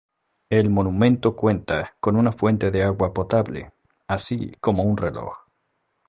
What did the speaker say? El monumento cuenta con una fuente de agua potable, así como un reloj.